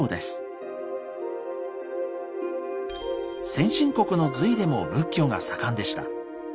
先進国の隋でも仏教が盛んでした。